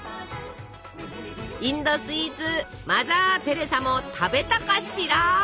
インドスイーツマザー・テレサも食べたかしら！